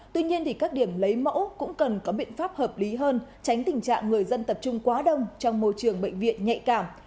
tuy nhiên các điểm lấy mẫu cũng cần có biện pháp hợp lý hơn tránh tình trạng người dân tập trung quá đông trong môi trường bệnh viện nhạy cảm